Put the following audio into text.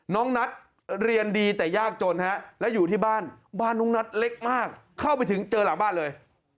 น้องนัทเรียนดีแต่ยากจนฮะแล้วอยู่ที่บ้านบ้านน้องนัทเล็กมากเข้าไปถึงเจอหลังบ้านเลย